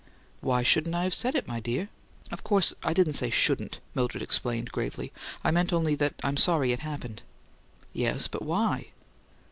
"Why shouldn't I have said it, my dear?" "Of course I didn't say 'shouldn't.'" Mildred explained, gravely. "I meant only that I'm sorry it happened." "Yes; but why?"